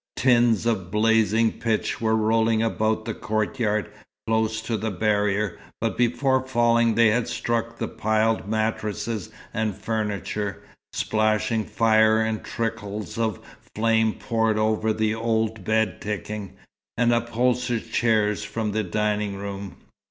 Tins of blazing pitch were rolling about the courtyard, close to the barrier, but before falling they had struck the piled mattresses and furniture, splashing fire and trickles of flame poured over the old bedticking, and upholstered chairs from the dining room.